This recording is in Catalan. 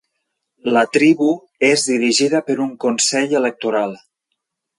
La tribu és dirigida per un consell electoral.